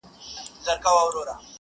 له خپل کوششه نا امیده نه وي,